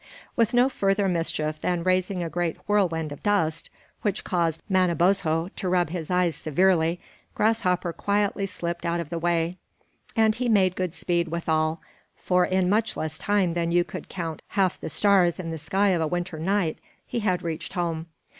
With no further mischief than raising a great whirlwind of dust, which caused Manabozho to rub his eyes severely, Grasshopper quietly slipped out of the way; and he made good speed withal, for in much less time than you could count half the stars in the sky of a winter night, he had reached home.